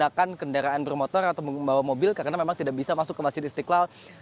menggunakan kendaraan bermotor atau membawa mobil karena memang tidak bisa masuk ke masjid istiqlal